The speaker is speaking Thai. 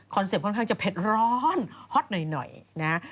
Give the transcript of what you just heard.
คอนเซ็ปต์ค่อนข้างจะเผ็ดร้อนฮอตหน่อยนะฮะ